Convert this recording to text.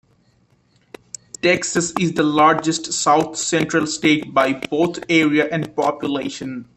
Texas is the largest South Central state by both area and population.